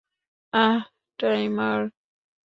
অ্যাঁহ, timer.